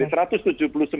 erat ya oke